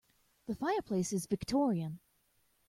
This fireplace is Victorian.